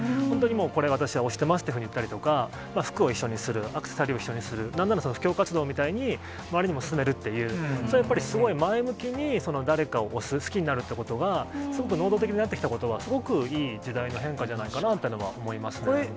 これを私は推してますっていうことを言って、服を一緒にする、アクセサリーを一緒にする、なんなら普及活動みたいに周りにも勧めるっていう、やっぱりすごい前向きに誰かを推す、好きになるということが、すごく能動的になってきたことは、すごくいい時代の変化じゃないかなと思いますね。